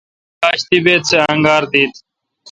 اس آج طیبیت سہ انگار دیت۔